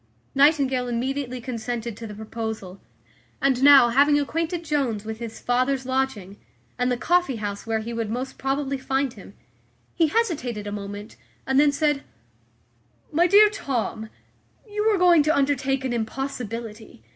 Nightingale immediately consented to the proposal; and now, having acquainted Jones with his father's lodging, and the coffee house where he would most probably find him, he hesitated a moment, and then said, "My dear Tom, you are going to undertake an impossibility.